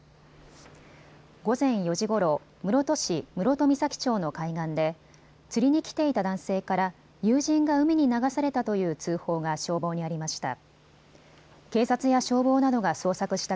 午前４時ごろ、室戸市室戸岬町の海岸で釣りに来ていた男性から友人が海に流されたという通報が消防にありました。